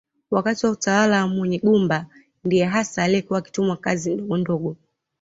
Wakati wa utawala wa Munyigumba ndiye hasa aliyekuwa akitumwa kazi ndogondogo